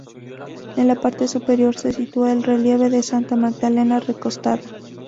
En la parte superior se sitúa el relieve de Santa Magdalena recostada.